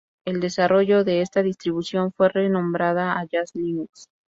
El desarrollo de esta distribución fue renombrado a Jazz Linux.